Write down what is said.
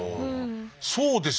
そうですね。